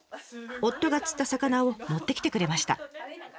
夫が釣った魚を持ってきてくれました。